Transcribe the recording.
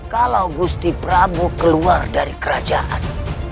kalau gusti prabowo keluar dari kerajaan